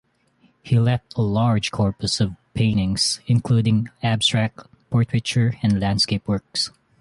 He left a large corpus of paintings, including abstract, portraiture and landscape works.